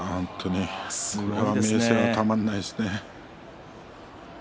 これでは明生たまらないですね。